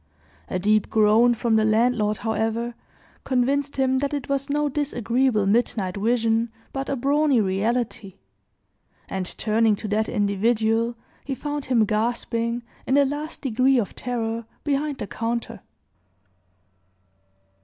A deep groan from the landlord, however, convinced him that it was no disagreeable midnight vision, but a brawny reality; and turning to that individual, he found him gasping, in the last degree of terror, behind the counter.